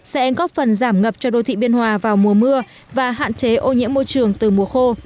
sẽ góp phần giảm ngập cho đô thị biên hòa vào mùa mưa và hạn chế ô nhiễm môi trường từ mùa khô